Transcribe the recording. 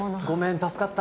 助かった！